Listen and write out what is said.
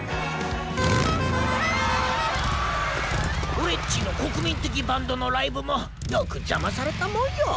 俺っちの国民的バンドのライブもよく邪魔されたもんよ。